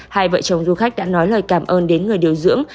hai vợ chồng du khách đã nói lời cảm ơn đến người điều dưỡng